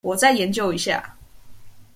我再研究一下